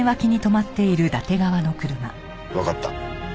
わかった。